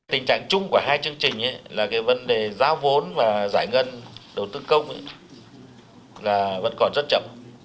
tình trạng chung của hai chương trình là vấn đề giáo vốn và giải ngân đầu tư công vẫn còn rất chậm